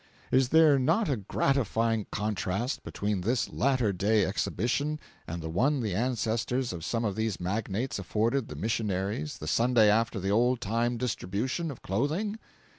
Is there not a gratifying contrast between this latter day exhibition and the one the ancestors of some of these magnates afforded the missionaries the Sunday after the old time distribution of clothing?